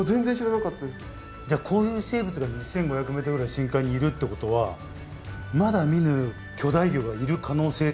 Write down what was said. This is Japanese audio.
じゃあこういう生物が２，５００ｍぐらいの深海にいるってことはまだ見ぬ巨大魚がいる可能性っていうのは？